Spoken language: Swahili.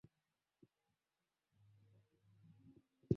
unatufundisha tu si wananchi pamoja na viongozi wa afrika kwamba